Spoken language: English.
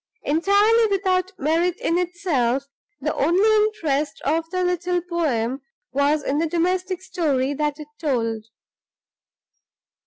Entirely without merit in itself, the only interest of the little poem was in the domestic story that it told.